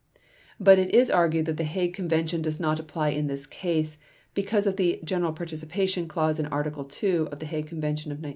But it is argued that the Hague Convention does not apply in this case, because of the "general participation" clause in Article 2 of the Hague Convention of 1907.